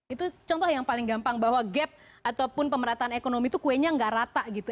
itu contoh yang paling gampang bahwa gap ataupun pemerataan ekonomi itu kuenya nggak rata gitu